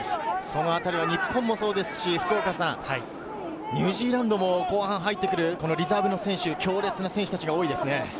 そのあたりはニュージーランドも後半入ってくるリザーブの選手、強烈な選手たちが多いですね。